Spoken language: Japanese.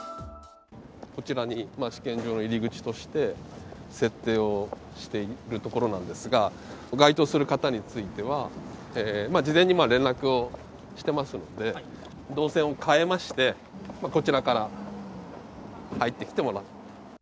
こちらに試験場の入り口として設定をしているところなんですが該当する方については、事前に連絡をしていますので、動線を変えまして、こちらから入ってきてもらう。